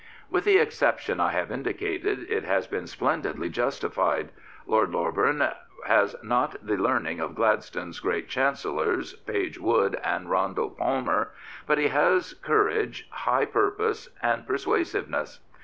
With the exception I have indicated, it has been splendidly justified. Lord Loreburn has not the learning of Gladstone's great Chancellors, Page Wood and Roundell Palmer, but he has courage, high pur pose, and persuasiveness.